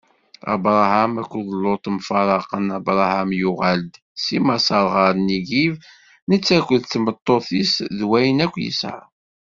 Abṛaham akked Luṭ mfaraqen Abṛaham yuɣal-d si Maṣer ɣer Nigib, netta akked tmeṭṭut-is d wayen akk yesɛa.